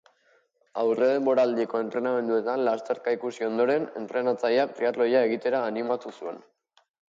Aurredenboraldiko entrenamenduetan lasterka ikusi ondoren, entrenatzaileak triatloia egitera animatu zuen.